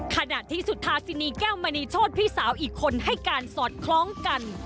ขณะที่สุธาสินีแก้วมณีโชธพี่สาวอีกคนให้การสอดคล้องกัน